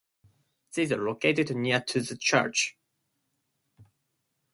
These are located near to the church.